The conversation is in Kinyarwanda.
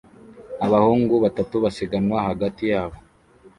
Abahungu batatu basiganwa hagati yabo